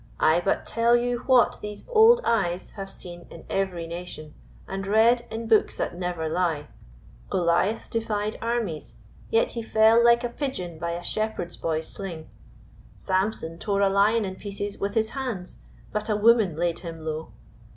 "I but tell you what these old eyes have seen in every nation, and read in books that never lie. Goliath defied armies, yet he fell like a pigeon by a shepherd boy's sling. Samson tore a lion in pieces with his hands, but a woman laid him low.